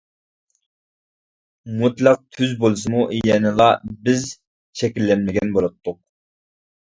«مۇتلەق تۈز» بولسىمۇ يەنىلا «بىز» شەكىللەنمىگەن بولاتتۇق.